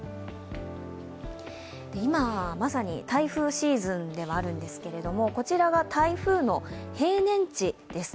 今、まさに台風シーズンではあるんですけれども、こちらが台風の平年値です。